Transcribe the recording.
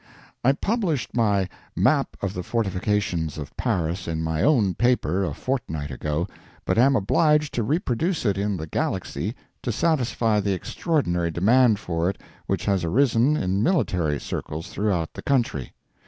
I published my "Map of the Fortifications of Paris" in my own paper a fortnight ago, but am obliged to reproduce it in THE GALAXY, to satisfy the extraordinary demand for it which has arisen in military circles throughout the country.